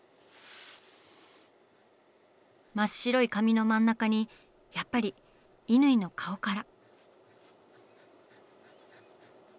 真っ白い紙の真ん中にやっぱり乾の顔から。